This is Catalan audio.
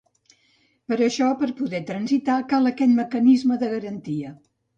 Per això, per poder transitar, cal aquest mecanisme de garantia.